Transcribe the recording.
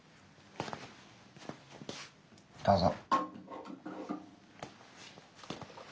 どうぞ。